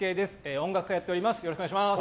音楽家をやっております。